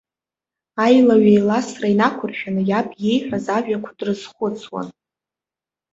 Аилаҩеиласра инақәыршәаны, иаб иеиҳәаз ажәақәа дрызхәыцуан.